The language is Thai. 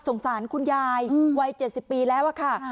สงสารคุณยายอืมวัยเจ็ดสิบปีแล้วอะค่ะอ่า